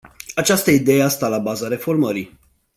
Această idee a stat la baza reformării.